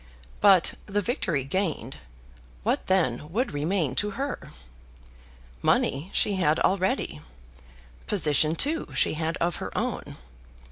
But, the victory gained, what then would remain to her? Money she had already; position, too, she had of her own.